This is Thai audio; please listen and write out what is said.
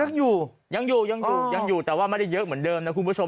ยังอยู่ยังอยู่ยังอยู่ยังอยู่แต่ว่าไม่ได้เยอะเหมือนเดิมนะคุณผู้ชม